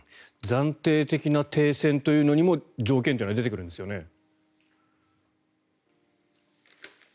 暫定的な停戦というのにも条件というのは出てくるんですよね。